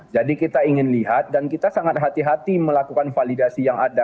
jadi kita ingin lihat dan kita sangat hati hati melakukan validasi yang ada